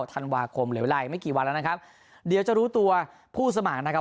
ธันวาคมมีกี่วันแล้วนะครับแล้วก็ตอนนี้เจอก็เดียวจะรู้ตัวผู้สมัครนะครับ